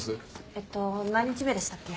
えっと何日目でしたっけ？